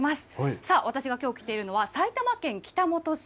さあ、私がきょう来ているのは、埼玉県北本市。